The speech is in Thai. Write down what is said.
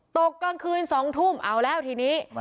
กลางคืน๒ทุ่มเอาแล้วทีนี้